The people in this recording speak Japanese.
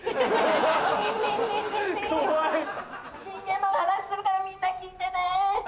人間のお話しするからみんな聞いてね。